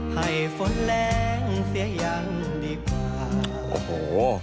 ให้ฝนแต่หรือยังดีกว่าโอโฮ